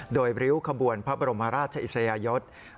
โดยริ้วขบวนพระบรมราชอิสริยยศ